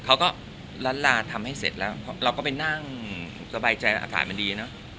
เขาก็ล้านลาทำให้เสร็จแล้วเราก็ไปนั่งสบายใจอากาศมันดีเนอะ